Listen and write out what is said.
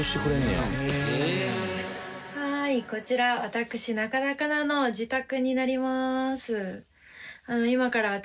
はいこちら私中田花奈の自宅になります。